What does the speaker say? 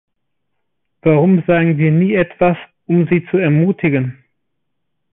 Warum sagen wir nie etwas, um sie zu ermutigen?